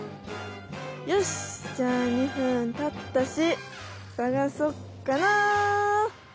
よしじゃあ２分たったしさがそっかな。